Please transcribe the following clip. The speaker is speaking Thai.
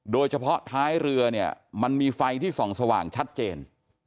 โดยเฉพาะท้ายเรือเนี่ยมันมีไฟที่ส่องสว่างชัดเจน